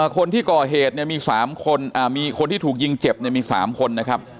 คนที่ก่อเหตุเนี่ยมีสามคนคนที่ถูกยิงเจ็บเนี่ยมีสามคนนะครับ